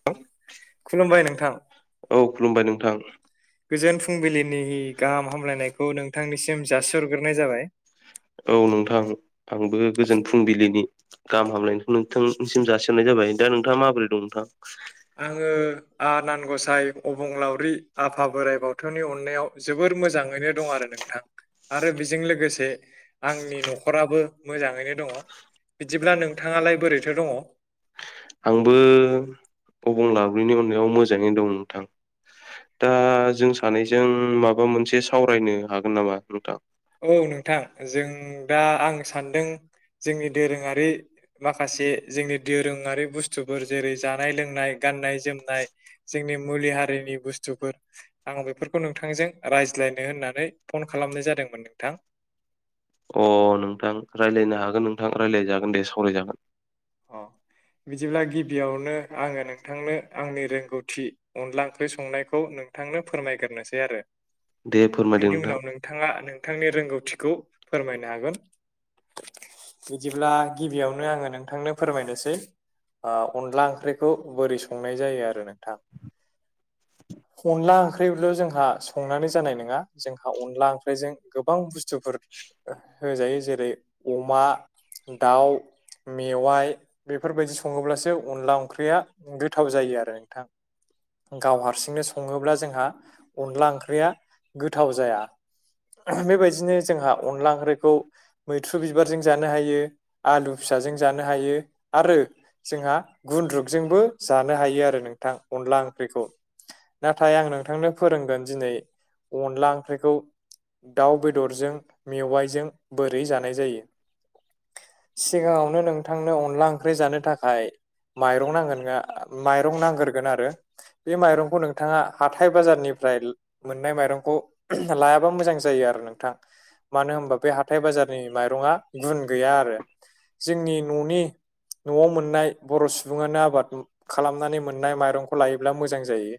[unintelligible] [unintelligible] बाय नोंथां औ खुलुमबाय नोंथां गोजोन फुंबिलिनि गाहाम हामलायनायखौ नोंथांनिसिम जासिहरग्रोनाय जाबाय औ नोंथां आंबो गोजोन फुंबिलिनि गाहाम हामलायनायखौ नोंथांनिसिम जासिहरनाय जाबाय दा नोंथाङा माबोरै दं नोंथां आङो आनान गसाइ अबंलावरि आफा बोराइ बाथौनि अननायाव जोबोर मोजाङैनो दं आरो नोंथां आरो बेजों लोगोसे आंनि न'खराबो मोजाङैनो दङ बिदिब्ला नोंथाङालाय बोरैथो दङ? आंबो [unintelligible] अननायाव मोजाङैनो दं नोंथां। दा जों सानैजों माबा मोनसे सावरायनो हागोन नामा नोंथां? औ नोंथां जों दा आं सानदों जोंनि दोरोङारि माखासे जोंनि दोरोङारि बुस्थुफोर जेरै जानाय लोंनाय गाननाय जोमनाय जोंनि मुलि हारिनि बुस्थुफोर आं बेफोरखौ नोंथांजों रायज्लायनो होननानै फन खालामनाय जादोंमोन नोंथां अ नोंथां रायलायनो हागोन नोंथां रायलायजागोन दे सावरायजागोन। अ [inaudible] बिदिब्ला गिबियावनो आङो नोंथांनो आंनि रोंगौथि अनला ओंख्रि संनायखौ नों थांनो फोरमायग्रोनोसै आरो दे फोरमायदो बेनि नोंथां उनाव नों थाङा नोंथांनि रोंगौथिखौ फोरमायनो हागोन। बिदिब्ला गिबियावनो आङो नोंथांनो फोरमायनोसै आ अनला ओंख्रिखौ बोरै संनाय जायो आरो नोंथां। अनला ओंख्रिल' जोंहा संनानै जानाय नङा जोंहा अनला ओंख्रिजों गोबां बुस्थुफोर होजायो जेरै अमा, दाउ, मेवाइ बेफोरबायदि सङोब्लासो अनला ओंख्रिया गोथाव जायो आरो नोंथां। गाव हारसिंनो सङोब्ला जोंहा अनला ओंख्रिया गोथाव जाया। बेबायदिनो जोंहा अनला ओंख्रिखौ मैथ्रु बिबारजों जानो, हायो आलु फिसाजों जानो हायो। आरो जोंहा गुन्द्रुगजोंबो जानो हायो आरो नोंथां अनला ओंख्रिखौ। नाथाय आं नोंथांनो फोरोंगोन दिनै अनला ओंख्रिखौ दाउ बेदरजों मेवाइजों बोरै जानाय जायो। सिगाङावनो नोंथांनो अन ला ओंख्रि जानो थाखाय माइरं नांगोन माइरं नांगोरगोन आरो। बे माइरंखौ नोंथाङा हाथाय बाजारनिफ्राय मोननाय माइरंखौ लायाबा मोजां जायो आरो नोंथां। मानो होनबा बे हाथाय बाजारनि माइरङा गुन गैया आरो जोंनि न'नि न'आव मोननाय बर' सुबुङानो आबाद खालामनानै मोननाय माइरंखौ लायोब्ला मोजां जायो।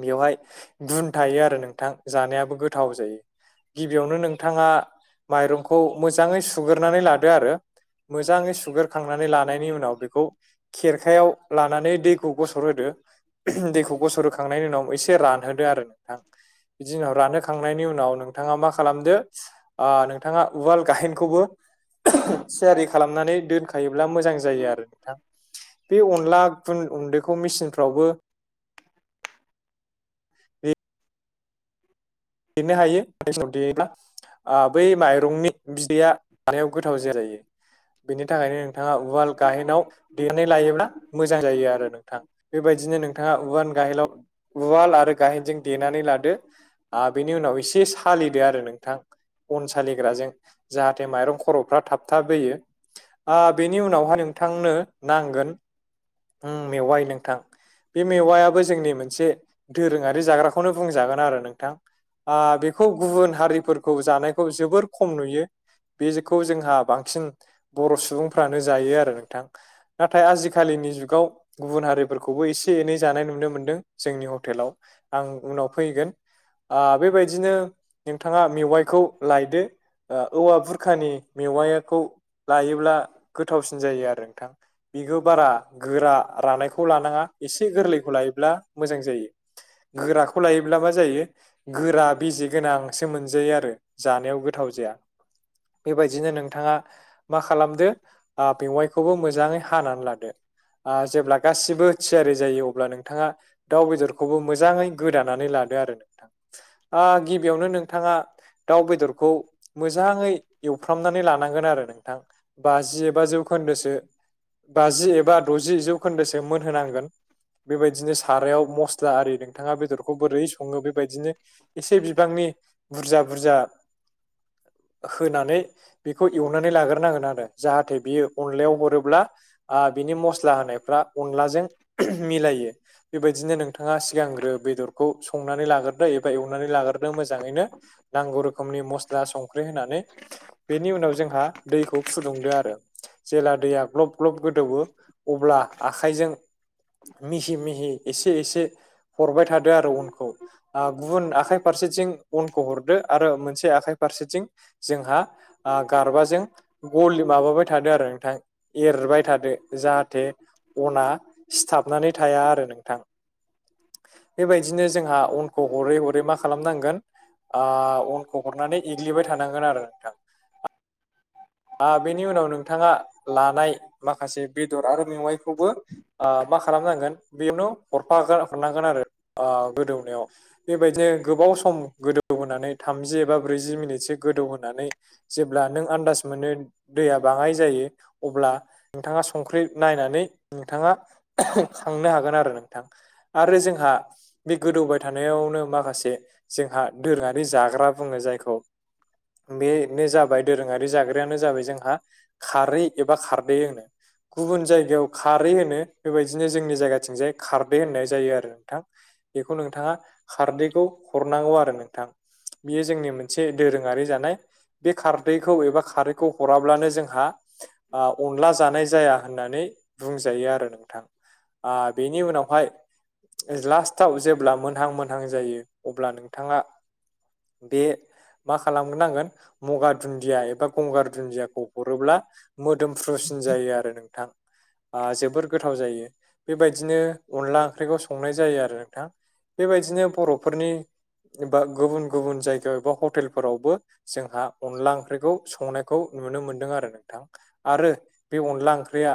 बेवहाय गुन थायो आरो नोंथां जानायाबो गोथाव जायो। गिबियावनो नोंथाङा माइरंखौ मोजाङै सुग्रोनानै लादो आरो। मोजाङै सुगारखांनानै लानायनि उनाव बेखौ खेरखायाव लानानै दैखौ गसर होदो। दैखौ गसर होखांनायनि उनाव एसे रानहोदो आरो नोंथां। बिदि उनाव रानहोखांनायनि उनाव नोंथाङा मा खालामदो अ नोंथाङा उवाल गहेयेनखौबो थियारि खालामनानै दोन खायोब्ला मोजां जायो आरो नोंथां बे अनला गुन गुन्दैखौ मेचिनफ्रावबो देनो हायो [inaudible] आ बै माइरंनि बिदैया जानायाव गोथाव [inaudible] बेनि थाखायनो नोंथाङा उवाल गाहेनाव देनानै लायोब्ला मोजां जायो आरो नोंथां। बेबायदिनो नोंथाङा उवान गाहेलाव उवाल आरो गाहेनजों देनानै लादो। आ बिनि उनाव एसे सालिदो आरो नोंथां। अन सालिग्राजों जाहाथे माइरं खर'फ्रा थाबथाबोयो। आ बेनि उनावहाय नोंथांनो नांगोन मेवाइ नोंथां। बे मेवायाबो जोंनि मोनसे दोरोङारि जाग्राखौनो बुंजागोन आरो नोंथां। ओ बेखौ गुबुन हारिफोरखौ जानायखौ जोबोर खम नुयो। बेखौ जोंहा बांसिन बर' सुबुंफ्रानो जायो आरो नोंथां। नाथाय आजिखालिनि जुगाव गुबुन हारिफोरखौबो एसे एनै जानाय नुनो मोन्दों जोंनि हटेलाव आं उनाव फैगोन ओ बेबायदिनो नोंथाङा मेवाइखौ लायदो औवा बुरखानि मेवाखौ लायोब्ला गोथावसिन जायो आरो नोंथां। बेखौ बारा गोरा रानायखौ लानाङा एसे गोरलैखौ लायोब्ला मोजां जायो। गोराखौ लायोब्ला मा जायो गोरा बिजि गोनांसो मोनजायो आरो जानायाव गोथाव जाया। बेबायदिनो नोंथाङा मा खालामदो ओ मेवाइखौबो मोजाङै हानानै लादो आ जेब्ला गासिबो थियारि जायो अब्ला नोंथाङा दाउ बेदरखौबो मोजाङै गोदानानै लादो आरो नोंथां। आ गिबियावनो नोंथाङा दाउ बेदरखौ मोजाङै एवफ्रामनानै लानांगोन आरो नोंथां। बाजि एबा जौखोन्दोसो बाजि एबा द'जि जौखोन्दोसो मोनहोनांगोन बेबायदिनो सारायाव मस्ला आरि नोंथाङा बेदरखौ बोरै सङो बेबायदिनो एसे बिबांनि बुरजा बुरजा होनानै बेखौ एवनानै लाग्रोनांगोन आरो जाहाथे बियो अनलायाव हरोब्ला ओ बिनि मस्ला होनायफ्रा अनलाजों मिलायो बेबायदिनो नोंथाङा सिगांग्रो बेदरखौ संनानै लाग्रो एबा एवनानै लाग्रोदों मोजाङैनो नांगौ रोखोमनि मस्ला संख्रि होनानै बेनि उनाव जोंहा दैखौ फुदुंदो आरो जेब्ला दैया ग्लब ग्लब गोदौयो अब्ला आखाइजों मिहि मिहि एसे एसे हरबाय थादो आरो अनखौ गुबुन आखाइ फारसेथिं अनखौ हरदो आरो मोनसे आखाइ फारसेथिं जोंहा गारबाजों गलि माबाबाय थादो आरो नोंथां एरबाय थादो जाहाथे अना सिथाबनानै थाया आरो नोंथां बेबायदिनो जोंहा अन खौ हरै हरै मा खालामनांगोन ओ अनखौ हरनानै एग्लिबाय थानांगोन आरो नोंथां। [inaudible] ओ बेनि उनाव नोंथाङा लानाय माखासे बेदर आरो मेवाइखौबो ओ मा खालामनांगोन बेयावनो हरफागोन हरनांगोन आरो ओ गोदौनायाव बेबायदिनो गोबाव सम गोदौ होनोनानै थामजि एबा ब्रैजि मिनिटसो गोदौहोनानै जेब्ला नों आन्दास मोनि दैआ बाङाय जायो अब्ला नोंथाङा संख्रि नायनानै नोंथाङा खांनो हागोन आरो नोंथां आरो जोंहा बे गोदौबाय थानायावनो माखासे जोंहा दोरोङारि जाग्रा बुङो जायखौ बेनो जाबाय दोरोङारि जाग्रायानो जाबाय जोंहा खारै एबा खारदै होनो। गुबुन जायगायाव खारै होनो बेबायदिनो जोंनि जायगाथिंजाय खारदै होननाय जायो आरो नोंथां। बेखौ नोंथाङा खारदैखौ हरनांगौ आरो नोंथां। बेयो जोंनि मोनसे दोरोङारि जानाय बे खारदैखौ एबा खारिखौ हराब्लानो जोंहा ओ अनला जानाय जाया होननानै बुंजायो आरो नोंथां ओ बेनि उनावहाय लास्टाव जेब्ला मोनहां मोनहां जायो अब्ला नोंथाङा बे मा खालामग्रोनांगोन मौगा दुन्दिया एबा गंगार दुन्दियाखौ हरोब्ला मोदोमफ्रुसिन जायो आरो नोंथां। ओ जोबोर गोथाव जायो बेबायदिनो अनला ओंख्रिखौ संनाय जायो आरो नोंथां। बेबायदिनो बर'फोरनि एबा गुबुन-गुबुन जायगायाव एबा हटेलफोरावबो जोंहा अनला ओंख्रिखौ संनायखौ नुनो मोनदों आरो नोंथां आरो बे अनला ओंख्रिया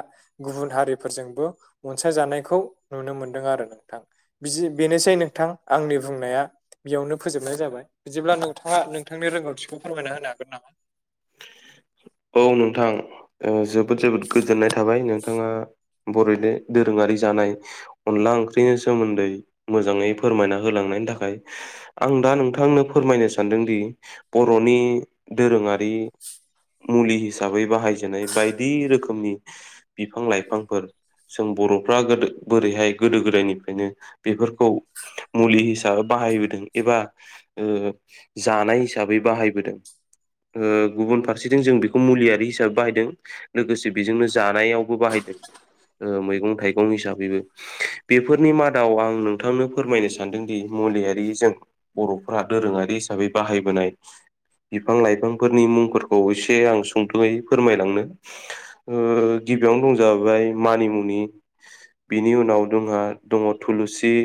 गुबुन हारिफोरजोंबो अनसायजानायखौ नुनो मोनदों आरो नोंथां बिदि बेनोसै नोंथां आंनि बुंनाया बेयावनो फोजोबनाय जाबाय बिदिब्ला नोंथाङा नोंथांनि रोंगौथिखौ फोरमायना होनो हागोन नामा औ नोंथां जोबोद जोबोद गोजोननाय थाबाय नोंथाङा बर'नि दोरोङारि जानाय। अनला ओंख्रिनि सोमोन्दै मोजाङै फोरमायना होलांनायनि थाखाय आं दा नोंथांनो फोरमायनो सान्दोंदि बर'नि दोरोङा रि मुलि हिसाबै बाहायजनाय बायदि रोखोमनि बिफां लाइफांफोर जों बर'फ्रा गोदो बोरैहाय गोदो गोदायनिफ्रायनो बेफोरखौ मुलि हिसाबै बाहायबोदों एबा ओ जानाय हिसाबै बाहायबोदों। ओ गुबुन फारसेथिं जों बेखौ मुलियारि हिसाबै बाहायदों लोगोसे बेजोंनो जानायावबो बाहायदों मैगं-थाइगं हिसाबैबो बेफोरनि मादाव आं नोंथांनो फोरमायनो सानदोंदि मुलियारिजों बर'फ्रा दोरोङारि हिसाबै बाहायबोनाय बिफां-लाइफां फोरनि मुंफोरखौ एसे आं सुंथुङै फोरमायलांनो ओ गिबियावनो दं जाहैबाय मानिमुनि बिनि उनाव जोंहा दङ थुलुसि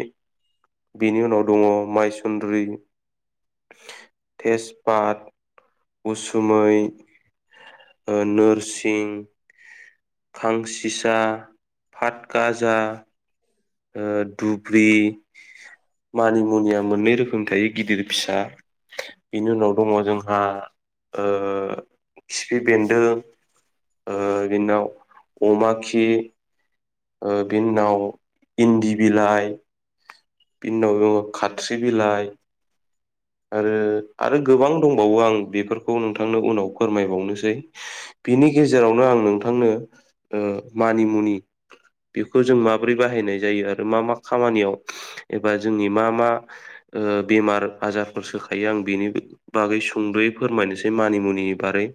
बेनि उनाव दङ माइसन्द्रि तेजपात उसुमै ओ नोरसिं खांसिसा फातगाजा ओ दुब्रि मानि मुनिया मोननै रोखोमनि थायो गिदिर फिसा बेनि उनाव दंङ जोंहा खिफि बेन्दों ओ बिनिनाव अमा खि ओ बिनि उनाव इन्दि बिलाइ बिन उनाव दङ खाथ्रि बिलाइ आरो आरो गोबां दंबावो आं बेफोरखौ नोंथांनो उनाव फोरमायबावनोसै बिनि गेजेरावनो आं नोंथांनो मानिमुनि बेखौ जों माबोरै बाहायनाय जायो आरो मा मा खामानियाव एबा जोंनि मा मा ओ बेमार आजारफोर सोखायो आं बेनि बागै सुंद्र'यै फोरमायनोसै मानिमुनि बारै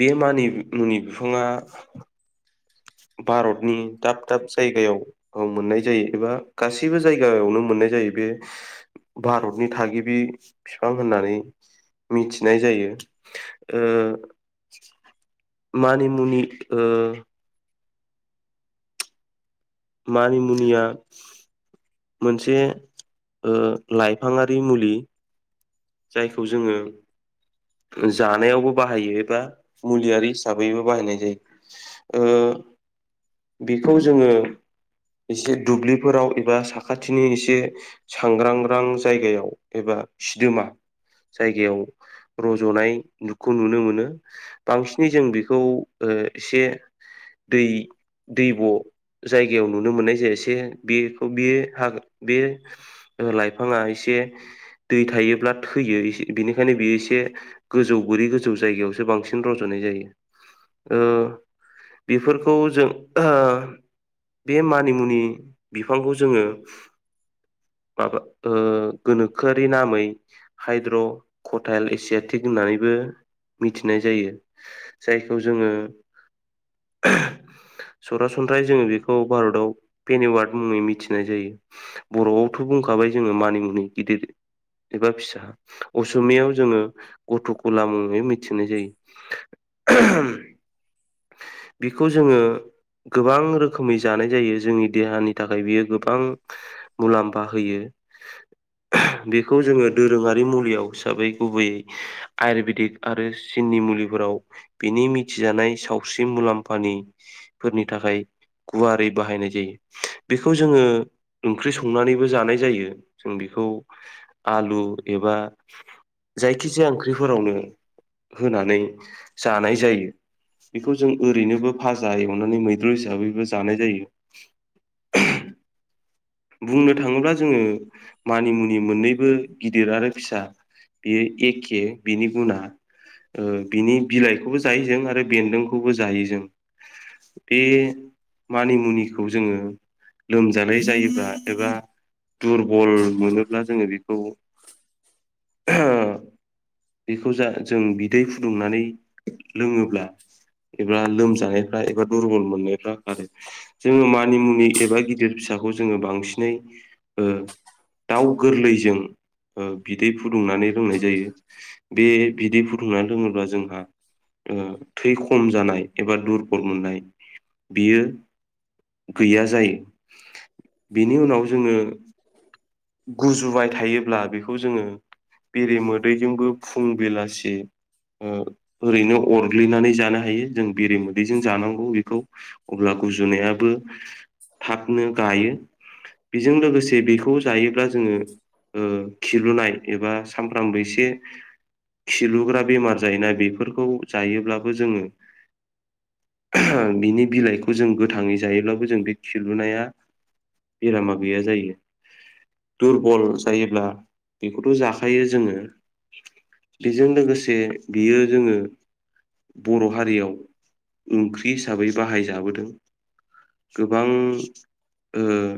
बे मानि मुनि बिफाङा भारतनि दाब दाब जायगायाव औ मोननाय जायो एबा गासैबो जायगायावनो मोननाय जायो बे भारतनि थागिबि बिफां होननानै मिथिनाय जायो मानि मुनि ओ मानिमुनिया मोनसे ओ लाइफाङारि मुलि जायखौ जोंङो जानायावबो बाहायो एबा मुलियारि हिसाबैबो बाहायनाय जायो ओ बेखौ जोंङो एसे दुब्लिफोराव एबा साखाथिनि एसे सांग्रांग्रां जायगायाव एबा सिदोमा जायगायाव रज'नाय नुगखौ नुनो मोनो बांसिनै जों बेखौ एसे दै दैब जायगायाव नुनो मोननाय जायसे बेखौ बे ह बे लाइफाङा एसे दै थायोब्ला थैयो बेनिखायनो बियो एसे गोजौ बोरि गोजौ जायगायावसो बांसिन रावज'नाय जायो ओ बेफोरखौ जों [inaudible] बे मानिमुनि बिफांखौ जोंङो माबा ओ गोनोखोआरि नामै हाइड्र'कटाइल एसेड एक होननानैबो मिथिनाय जायो जायखौ जोंङो [unintelligible] सरासनस्रायै जोंङो बेखौ भारताव पेनवार्ड मुङै मिथिनाय जायो बर'आवथ' बुंखाबाय जोंङो मानि मुनि गिदिर एबा फिसा असमियाव जोंङो गथखौ लामुङै मिथिनाय जायो बेखौ जोंङो गोबां रोखोमै जानाय जायो जोंनि देहानि थाखाय बियो गोबां मुलाम्फा होयो [unintelligible] बेखौ जोङो दोरोङारि मुलियाव हिसाबै गुबैयै आयुरवेदिक आरो चीननि मुलिफोराव बिनि मिथिजानाय सावस्रि मुलाम्फानिफोरनि थाखाय गुवारै बाहायनाय जायो बेखौ जोङो ओंख्रि संनानैबो जानाय जायो जों बेखौ आलु एबा खिजाया ओंख्रिफोरावनो होनानै जानाय जायो। बेखौ जों ओरैनोबो भाजा एवनानै मैद्रु हिसाबैबो जानाय जायो बुंनो थाङोब्ला जोंङो मानि मुनि मोननैबो गिदिर आरो फिसा बेयो एखे बिनि गुना बिनि बिलाइखौबो जायो जों आरो बेन्दोंखौबो जायो जों। बे मानिमुनिखौ जोंङो लोमजानाय जायोब्ला एबा दुरबल मोनोब्ला जोंङो बेखौ [inaudible] बेखौ जा जों बिदै फुदुंनानै लोंङोब्ला एबा लोमजानायफ्रा एबा दुरबल मोननायफ्रा खारो। जोङो मानि मुनि एबा गिदिर फिसाखौ जोंङो बांसिनै ओ दाउ गोरलैजों बिदै फुदुंनानै लोंनाय जायो। बे बिदै फुथुमनानै लोंङोब्ला जोंहा थै खम जानाय एबा दुरबल मोननाय बियो गैया जायो। बिनि उनाव जोंङो गुजुबाय थायोब्ला बेखौ जोंङो बेरे मोदैजोंबो फुं बेलासि ओरैनो अरग्लिनानै जानो हायो जों बेरेमोदैजों जानांगौ बेखौ। अब्ला गुजुनायाबो थाबनो गायो। बेजों लोगोसे बेखौ जायोब्ला जोंङो खिलुनाय एबा सामफ्रामबो एसे खिलुग्रा बेमार जायोना बेफोरखौ जायोब्लाबो जोंङो बिनि बिलाइखौ जों गोथाङै जायोब्लाबो जों बे खिलुनाया बेरामा गैया जायो। दुरबल जायोब्ला बेखौथ' जाखायो जोंङो बेजों लोगोसे बियो जोंङो बर' हारियाव ओंख्रि हिसाबै बाहायजाबोदों। गोबां ओओ